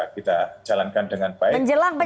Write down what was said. kita jalankan dengan baik